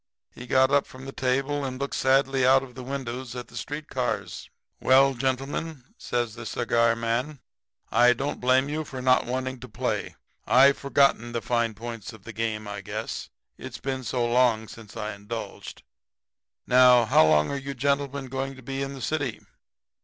He got up from the table and looked sadly out of the window at the street cars. "'Well, gentlemen,' says the cigar man, 'I don't blame you for not wanting to play. I've forgotten the fine points of the game, I guess, it's been so long since I indulged. Now, how long are you gentlemen going to be in the city?'